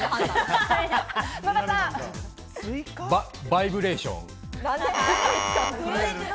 バイブレーション。